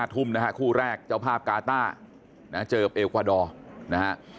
๕ทุ่มนะครับคู่แรกเจ้าภาพกาต้าเจอเอวควาดอร์นะครับ